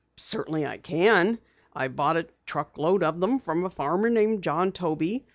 "Certainly I can. I bought a truck load of them from a farmer named John Toby.